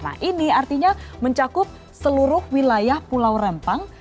nah ini artinya mencakup seluruh wilayah pulau rempang